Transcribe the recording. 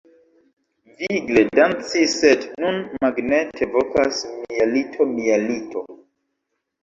Vigle danci sed nun magnete vokas mia lito mia lito